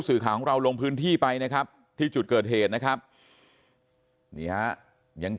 สื่อข่าวของเราลงพื้นที่ไปนะครับที่จุดเกิดเหตุนะครับนี่ฮะยัง